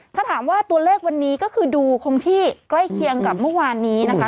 ถ้าถามว่าตัวเลขวันนี้ก็คือดูคงที่ใกล้เคียงกับเมื่อวานนี้นะคะ